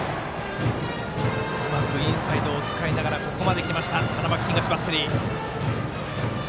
うまくインサイド使いながらここまできた花巻東、バッテリー。